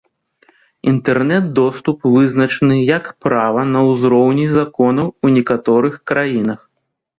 Інтэрнэт доступ вызначаны як права на ўзроўні законаў у некаторых краінах.